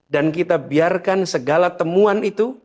dan kita biarkan segala temuan itu